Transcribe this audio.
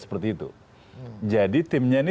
seperti itu jadi timnya ini